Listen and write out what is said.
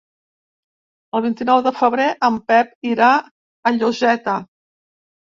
El vint-i-nou de febrer en Pep irà a Lloseta.